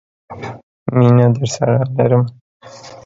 مينه درسره لرم.